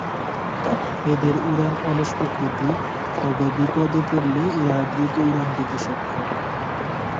এদের উড়ান অলস প্রকৃতির, তবে বিপদে পড়লে এরা দ্রুত উড়ান দিতে সক্ষম।